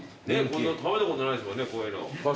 食べたことないですからねこういうの。